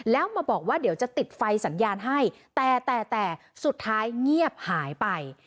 แล้วมาบอกว่าเดี๋ยวจะติดไฟสัญญาณให้แต่แต่สุดท้ายเงียบหายไป